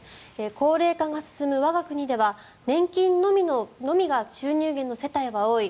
高齢化が進む我が国では年金のみが収入源の世帯が多い。